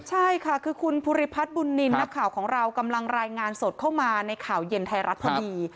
ใช่ค่ะคือคุณภูริพัฒน์บุญนินทร์นักข่าวของเรากำลังรายงานสดเข้ามาในข่าวเย็นไทยรัฐพอดี